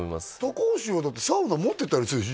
高橋はだってサウナ持ってたりするでしょ